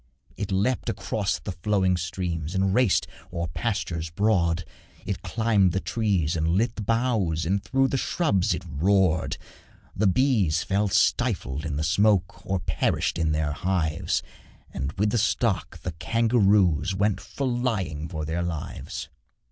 It leapt across the flowing streams And raced o'er pastures broad; It climbed the trees and lit the boughs And through the scrubs it roared. The bees fell stifled in the smoke Or perished in their hives, And with the stock the kangaroos Went flying for their lives.